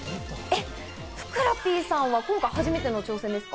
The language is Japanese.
ふくらＰさんは今回初めての挑戦ですか？